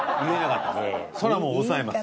それはもう抑えます。